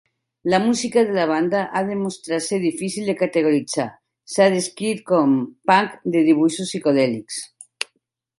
La música de la banda ha demostrat ser difícil de categoritzar, s'ha descrit com "punk de dibuixos psicodèlics".